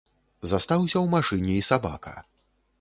Застаўся ў машыне і сабака.